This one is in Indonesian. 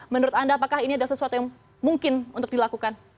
menurut anda apakah ini adalah sesuatu yang mungkin untuk dilakukan